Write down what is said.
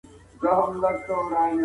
پوه سړی به دا رڼا ټولني ته ورسپاري.